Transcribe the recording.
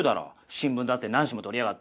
新聞だって何紙も取りやがって。